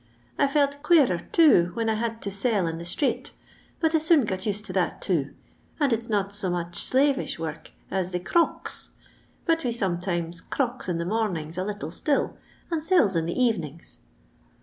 I felt quarer, too, whin I had to sell in tbe strate, but I soon got used to that, too ; and it *s not such slavish work as the 'crocks.* Bat we sometimes ' crocks * in the mornings a little itill, and sells in the evenings.